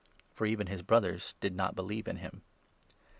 For even his brothers did not believe in him.